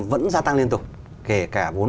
vẫn gia tăng liên tục kể cả vốn